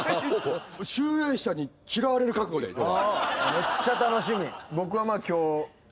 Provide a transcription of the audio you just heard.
めっちゃ楽しみ。